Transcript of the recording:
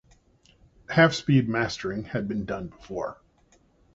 Half-speed mastering had been done before.